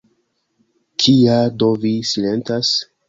Kial do vi silentas?